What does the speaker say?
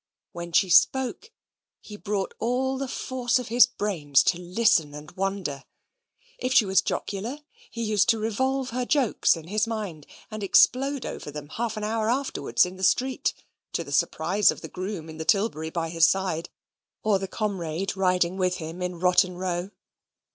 When she spoke, he brought all the force of his brains to listen and wonder. If she was jocular, he used to revolve her jokes in his mind, and explode over them half an hour afterwards in the street, to the surprise of the groom in the tilbury by his side, or the comrade riding with him in Rotten Row.